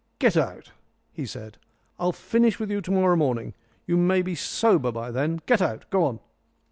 "Get out," he said, "I'll finish with you to morrow morning. You may be sober by then. Get out, go on!"